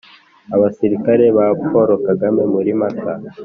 abasirikari ba paul kagame muri mata .